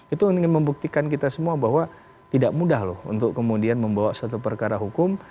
itu ingin membuktikan kita semua bahwa tidak mudah loh untuk kemudian membawa satu perkara hukum